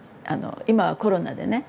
今はコロナでね